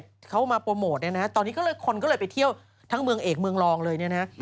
ที่เขามาโปรโมทเนี่ยนะฮะตอนนี้ก็เลยคนก็เลยไปเที่ยวทั้งเมืองเอกเมืองรองเลยเนี่ยนะฮะ